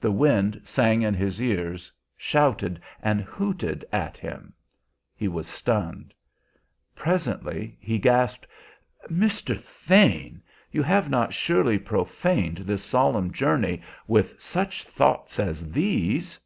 The wind sang in his ears, shouted and hooted at him. He was stunned. Presently he gasped, "Mr. Thane! you have not surely profaned this solemn journey with such thoughts as these?"